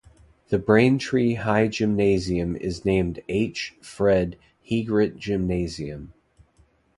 The Braintree High gymnasium is named H. Fred Hegret Gymnasium.